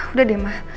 udah deh ma